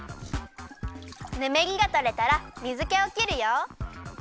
ぬめりがとれたら水けをきるよ。